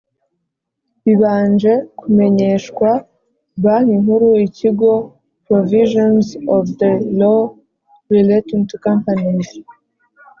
Bibanje kumenyeshwa Banki Nkuru ikigo provisions of the Law relating to Companies